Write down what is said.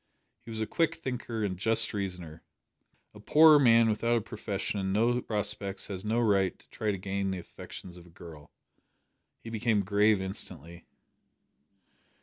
He was a quick thinker and just reasoner. A poor man without a profession and no prospects has no right to try to gain the affections of a girl. He became grave instantly.